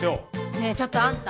ねえちょっとあんた。